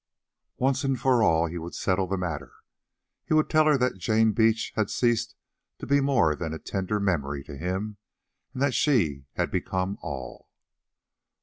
Once and for all he would settle the matter; he would tell her that Jane Beach had ceased to be more than a tender memory to him, and that she had become all.